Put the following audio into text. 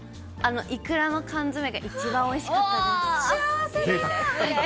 イクラの缶詰が一番おいしか幸せだ！